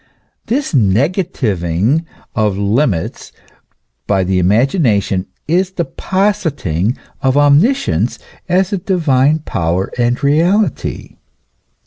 This negativing of limits by the imagination is the positing of omniscience as a divine power and reality.